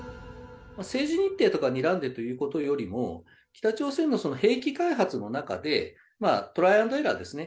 政治日程とかにらんでということとかよりも、北朝鮮のその兵器開発の中で、トライ＆エラーですね。